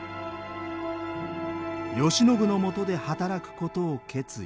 慶喜のもとで働くことを決意。